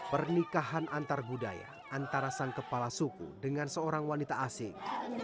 pernikahan antar budaya antara sang kepala suku dengan seorang wanita asing